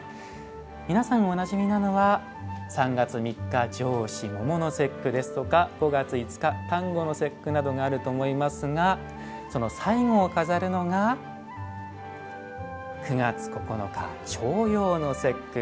皆さんおなじみなのは３月３日、上巳桃の節句ですとか５月５日、端午の節句などがあると思いますがその最後を飾るのが９月９日、重陽の節句。